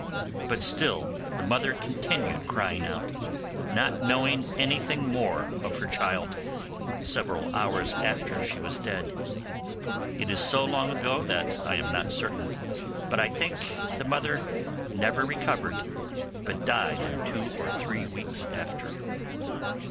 But still the mother continued crying out, not knowing anything more of her child, several hours after she was dead. It is so long ago that I am not certain, but I think the mother never recovered, but died in two or three weeks after.